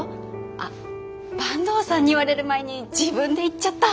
あ坂東さんに言われる前に自分で言っちゃった。